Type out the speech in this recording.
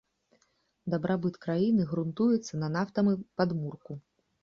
Дабрабыт краіны грунтуецца на нафтавым падмурку.